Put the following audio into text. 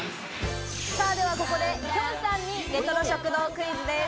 ではここで、きょんさんにレトロ食堂クイズです。